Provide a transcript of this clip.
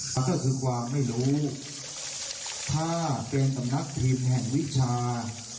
พระเจ้าศึกวางไม่รู้ถ้าเป็นตำนักพิมพ์แห่งวิชา